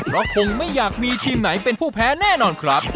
เพราะคงไม่อยากมีทีมไหนเป็นผู้แพ้แน่นอนครับ